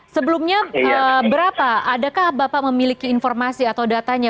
sebelumnya berapa adakah bapak memiliki informasi atau datanya